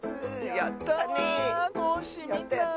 やったね！